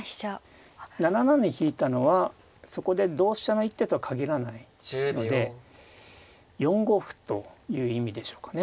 ７七に引いたのはそこで同飛車の一手とは限らないので４五歩という意味でしょうかね。